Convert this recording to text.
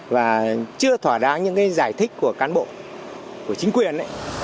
và chưa thỏa đáng những giải thích của cán bộ của chính quyền